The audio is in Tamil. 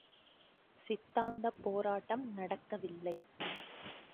சித்தாந்தப் போராட்டம் நடக்கவில்லை.